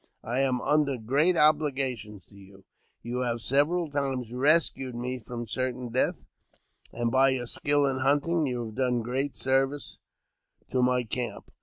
I am under great obligations to you. You have several times rescued me from certain death, and, by your skill in hunting, you have done great service to my camp.